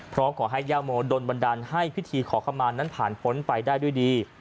เพราะขอให้ย่าโมโดนบันดาลให้พิธีขอขมารนั้นผ่านพ้นไปได้ด้วยดี